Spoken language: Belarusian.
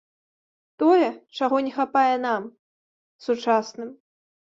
Тое, чаго не хапае нам, сучасным.